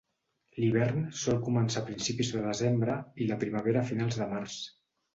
L"hivern sol començar a principis de desembre i la primavera a finals de març.